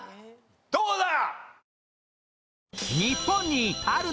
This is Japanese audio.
どうだ？